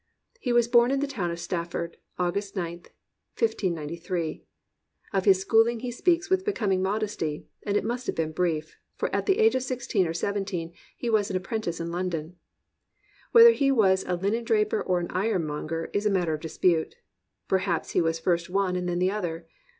He was born in the town of Stafford, August 9th, 1593. Of his schooUng he speaks with becoming modesty; and it must have been brief, for at the age of sixteen or seventeen he was an apprentice in London. Whether he was a linendraj>er or an iron monger is a matter of dispute. Perhaps he was first one and then the other.